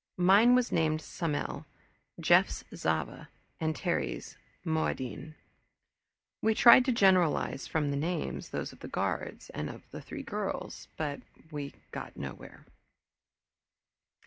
Mine was named Somel, Jeff's Zava, and Terry's Moadine. We tried to generalize from the names, those of the guards, and of our three girls, but got nowhere.